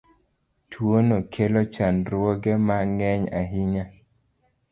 Tuono kelo chandruoge ma ng'eny ahinya.